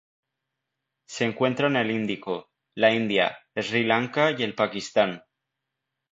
Se encuentra en el Índico: la India, Sri Lanka y el Pakistán.